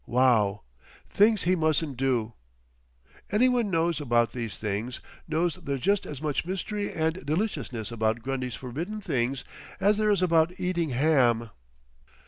Wow! Things he mustn't do!... Any one who knows about these things, knows there's just as much mystery and deliciousness about Grundy's forbidden things as there is about eating ham.